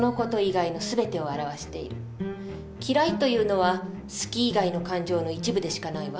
嫌いというのは好き以外の感情の一部でしかないわ。